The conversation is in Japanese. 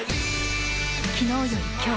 昨日より今日。